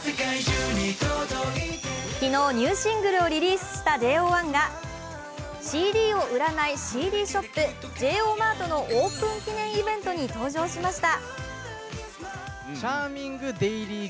昨日、ニューシングルをリリースしたＪＯ１がＣＤを売らないＣＤショップ、ＪＯ１ＭＡＲＴのオープン記念イベントに登場しました。